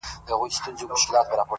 • د گناهونو شاهدي به یې ویښتان ورکوي،